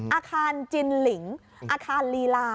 อาคารจินหลิงอาคารลีลา